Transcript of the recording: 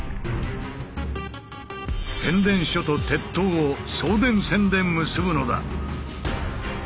変電所と鉄塔を送電線で結ぶのだ。